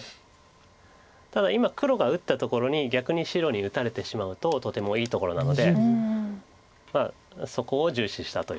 ただ今黒が打ったところに逆に白に打たれてしまうととてもいいところなのでまあそこを重視したということです。